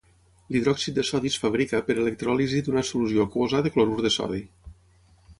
L'hidròxid de sodi es fabrica per electròlisi d'una solució aquosa de clorur de sodi.